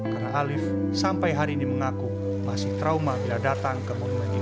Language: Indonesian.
karena alif sampai hari ini mengaku masih trauma bila datang ke warung ini